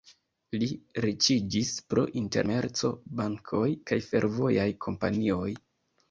Li riĉiĝis pro internacia komerco, bankoj kaj fervojaj kompanioj.